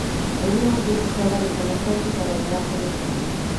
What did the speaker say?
Pedímoslle que se adentre no centro para gañar coñecemento.